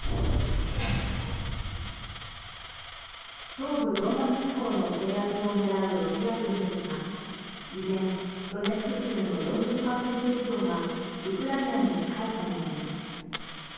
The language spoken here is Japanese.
東部ドンバス地方の制圧を狙うロシア軍ですが依然、ドネツク州の４０％以上がウクライナの支配下にあります。